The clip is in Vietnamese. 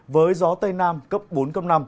với gió tây nam cấp bốn cấp năm